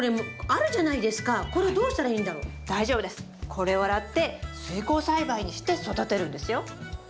これを洗って水耕栽培にして育てるんですよ。